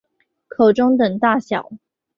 口中等大小。